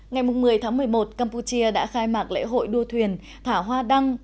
ngày một mươi tháng một mươi một campuchia đã khai mạc lễ hội đua thuyền thả hoa đăng